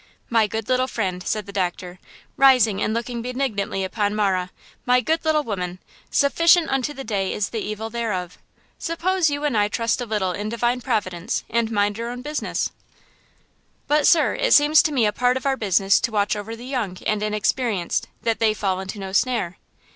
"My good little friend," said the doctor, rising and looking kindly and benignantly upon Marah, "My good little woman 'sufficient unto the day is the evil thereof!' Suppose you and I trust a little in Divine Providence, and mind our own business?" "But, sir, it seems to me a part of our business to watch over the young and inexperienced, that they fall into no snare."